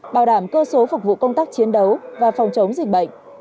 bảo đảm cơ số phục vụ công tác chiến đấu và phòng chống dịch bệnh